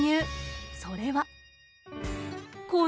それは。